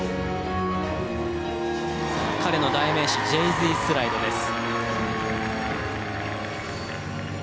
彼の代名詞ジェイジースライドです。